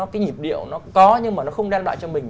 cái nhịp điệu nó có nhưng mà nó không đem lại cho mình